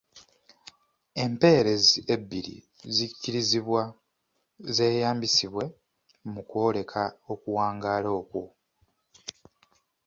Empeerezi ebbiri zikkirizibwa zeeyambisibwe mu kwoleka okuwangaala okwo.